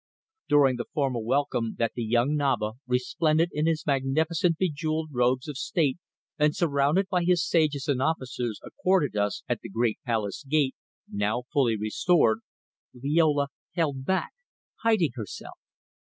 During the formal welcome that the young Naba, resplendent in his magnificent bejewelled robes of state and surrounded by his sages and officers, accorded us at the great palace gate, now fully restored, Liola held back, hiding herself.